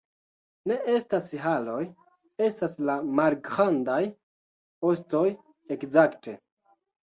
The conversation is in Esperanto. Ne estas haroj... estas la malgrandaj... ostoj, ekzakte